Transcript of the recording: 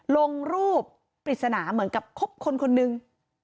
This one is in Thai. ลงรูปปริศนาเหมือนกับคบคนคนหนึ่ง